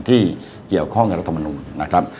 ที่เกี่ยวข้องกับรัฐมนุนนะครับ